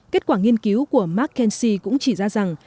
kết quả nghiên cứu của mccainsy cũng chỉ ra rằng